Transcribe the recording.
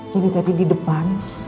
jadi tadi di depan